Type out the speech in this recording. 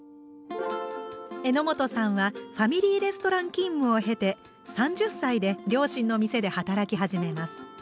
榎本さんはファミリーレストラン勤務を経て３０歳で両親の店で働き始めます。